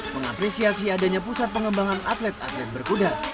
mengapresiasi adanya pusat pengembangan atlet atlet berkuda